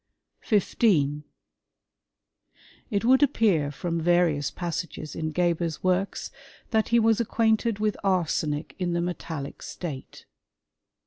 "|| 15. It would appear from various passages in Geber's works that he was acquainted with arsenic in the metallic state.